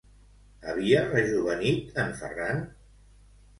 Havia rejovenit en Ferran?